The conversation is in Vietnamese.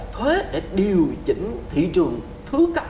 thuế để điều chỉnh thị trường thứ cấp